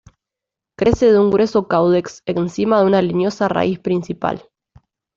Crece de un grueso caudex encima de una leñosa raíz principal.